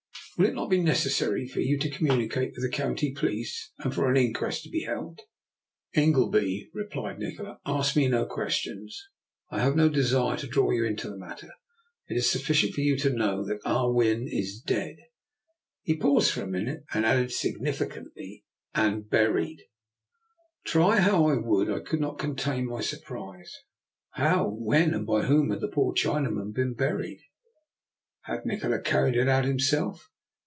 " Will it not be necessary for you to communicate with the County police, and for an inquest to be held? ''" Ingleby," replied Nikola, " ask me no questions. I have no desire to draw you into the matter. It is sufficient for you to know that Ah Win is dead," — he paused for a min ute, and then added, significantly —" and buried:' Try how I would, I could not contain my surprise. How, when, and by whom had the poor Chinaman been buried? Had Nikola carried it out himself?